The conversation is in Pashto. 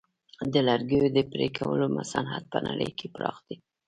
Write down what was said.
د لرګیو د پرې کولو صنعت په نړۍ کې پراخ دی.